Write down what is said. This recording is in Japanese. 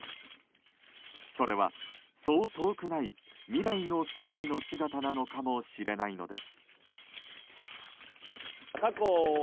それはそう遠くない未来の世界の姿なのかもしれないのです。